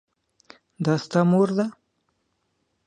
دا ستا مور ده ؟